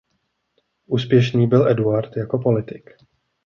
Úspěšný byl Eduard jako politik.